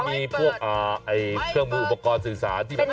มีพวกเครื่องมืออุปกรณ์สื่อสารที่แบบ